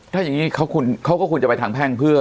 ถ้าอย่างนี้เขาก็ควรจะไปทางแพ่งเพื่อ